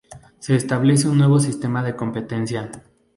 Se establece un nuevo sistema de competencia.